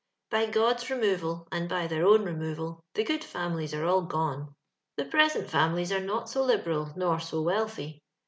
By God's removal, and by their own removal, the gobd lamihes are all gone. The present families are not so liberal nor so wealthy.